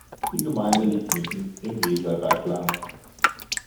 Die Gemeinde liegt mitten im Weserbergland.